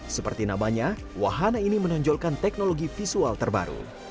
seperti namanya wahana ini menonjolkan teknologi visual terbaru